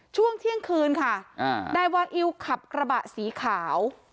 ช่วงเที่ยงคืนค่ะนายวาอิวขับกระบะสีขาว